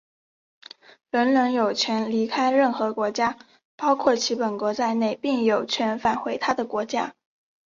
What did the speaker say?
人人有权离开任何国家,包括其本国在内,并有权返回他的国家。